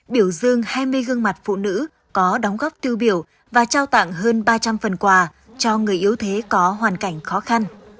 biểu dương hai mươi gương mặt phụ nữ có đóng góp tiêu biểu và trao tặng hơn ba trăm linh phần quà cho người yếu thế có hoàn cảnh khó khăn